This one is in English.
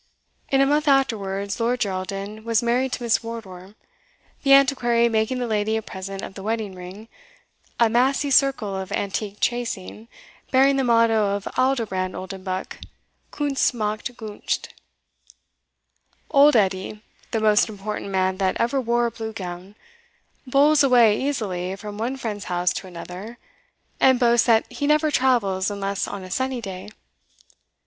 In a month afterwards Lord Geraldin was married to Miss Wardour, the Antiquary making the lady a present of the wedding ring a massy circle of antique chasing, bearing the motto of Aldobrand Oldenbuck, Kunst macht gunst. Old Edie, the most important man that ever wore a blue gown, bowls away easily from one friend's house to another, and boasts that he never travels unless on a sunny day.